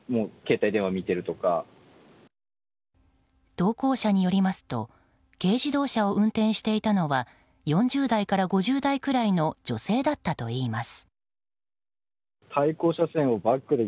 投稿者によりますと軽自動車を運転していたのは４０代から５０代くらいの女性だったといいます。